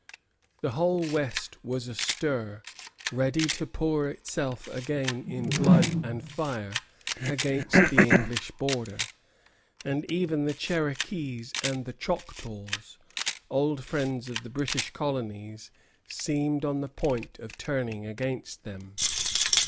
The whole West was astir, ready to pour itself again in blood and fire against the English border; and even the Cherokees and Choctaws, old friends of the British colonies, seemed on the point of turning against them.